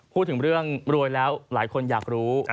พูดถึงเรื่องรวยแล้วหลายคนอยากรู้